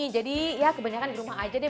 jadi ya kebanyakan di rumah aja deh